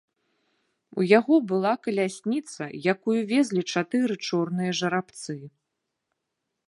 У яго была калясніца, якую везлі чатыры чорныя жарабцы.